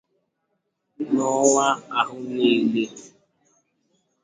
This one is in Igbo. Na ọnwa ahụ nile